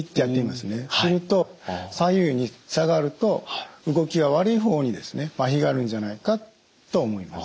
すると左右に差があると動きが悪い方にまひがあるんじゃないかと思います。